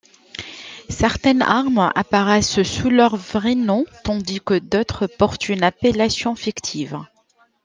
Certaines armes apparaissent sous leur vrai nom tandis que d'autres portent une appellation fictive.